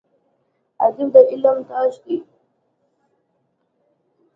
ادب د علم تاج دی